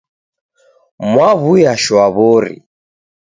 Mwaw'uya shwaw'ori.